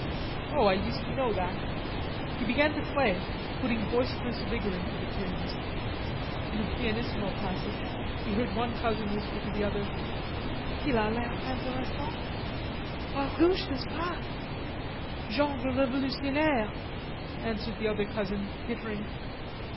"Oh, I used to know that." He began to play, putting boisterous vigor into the tunes. In a pianissimo passage he heard one cousin whisper to the other: "Qu'il a l'air interessant." "Farouche, n'est ce pas? Genre revolutionnaire," answered the other cousin, tittering.